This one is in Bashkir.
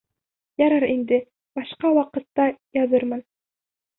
— Ярар инде, башҡа ваҡытта яҙырмын.